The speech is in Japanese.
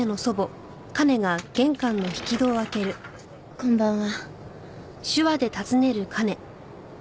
こんばんは。